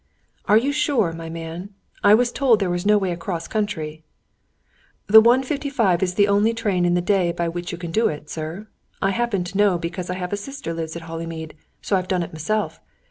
"Are you sure, my man? I was told there was no way across country." "The one fifty five is the only train in the day by which you can do it, sir. I happen to know, because I have a sister lives at Hollymead, so I've done it m'self.